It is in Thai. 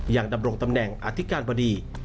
ดำรงตำแหน่งอธิการบดี